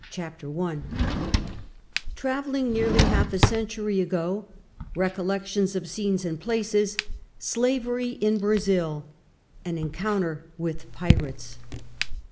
CHAPTER I Traveling Nearly Half a Century Ago — Recollections of Scenes and Places — Slavery in Brazil — An Encounter with Pirates.